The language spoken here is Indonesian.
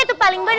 itu paling bener